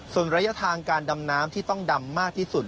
ส่วนระยะทางการดำน้ำที่ต้องดำมากที่สุด